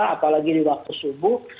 apalagi di waktu subuh